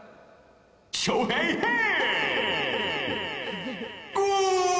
ショウヘイヘイ！